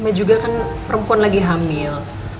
sama juga kan perempuan lagi hamil